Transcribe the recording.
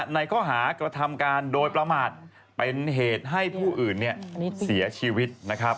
ในข้อหากระทำการโดยประมาทเป็นเหตุให้ผู้อื่นเสียชีวิตนะครับ